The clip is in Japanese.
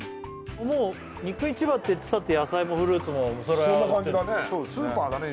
もう肉市場っていってたって野菜もフルーツもそれはそんな感じだねスーパーだね